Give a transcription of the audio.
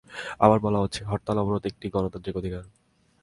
আবার বলা হচ্ছে, হরতাল অবরোধ একটি গণতান্ত্রিক অধিকার।